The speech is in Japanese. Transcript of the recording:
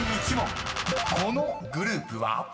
［このグループは？］